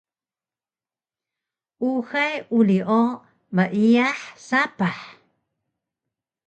uxay uri o meiyah sapah